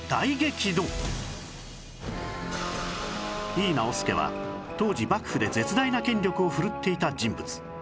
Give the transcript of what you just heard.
井伊直弼は当時幕府で絶大な権力をふるっていた人物